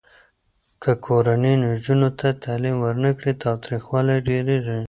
که کورنۍ نجونو ته تعلیم ورنه کړي، تاوتریخوالی ډېریږي.